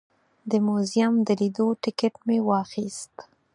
د موزیم د لیدو ټکټ مې واخیست.